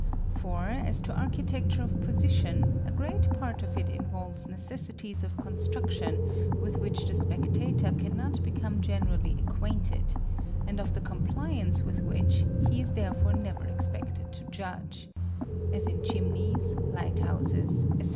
For, as to architecture of position, a great part of it involves necessities of construction with which the spectator cannot become generally acquainted, and of the compliance with which he is therefore never expected to judge, as in chimneys, light houses, &c.